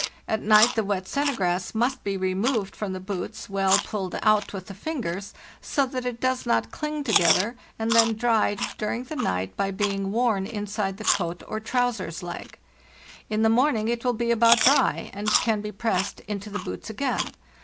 At night the wet "sennegraes"' must be removed from the boots, well pulled out with the fingers, so that it does not cling together, and then dried during the night by being worn inside the coat or trousers leg. In the morn ing it will be about dry, and can be pressed into the boots again.